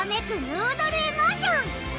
ヌードル・エモーション！